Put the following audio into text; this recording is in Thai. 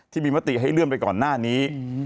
มติให้เลื่อนไปก่อนหน้านี้